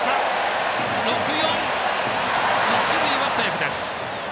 一塁はセーフです。